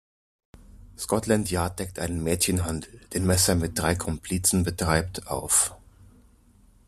Scotland Yard deckt einen Mädchenhandel, den Messer mit drei Komplizen betreibt, auf.